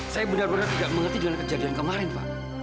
saya benar benar tidak mengerti dengan kejadian kemarin pak